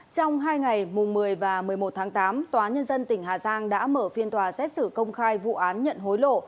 trong hai ngày một mươi và một mươi một tháng tám tòa nhân dân tỉnh hà giang đã mở phiên tòa xét xử công khai vụ án nhận hối lộ